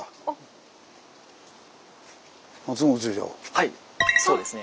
はいそうですね。